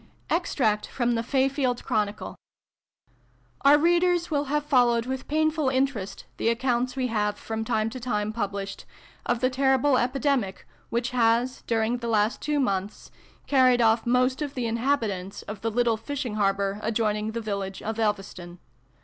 EXTRACT FROM THE " FAY FIELD CHRONICLE? Our readers will have followed with painful interest, the accounts we have from time to time piiblished of the terrible epidemic which has, ditring the last two months, carried off most of the inhabitants of the little fishing harbour ad joining the village of Elveston.